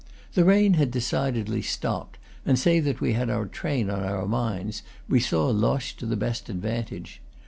The rain had decidedly stopped, and save that we had our train on our minds, we saw Loches to the best advantage.